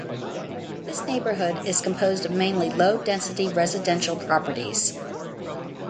This neighbourhood is composed of mainly low density residential properties.